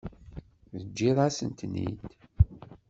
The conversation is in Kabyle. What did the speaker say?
Teǧǧiḍ-asent-ten-id.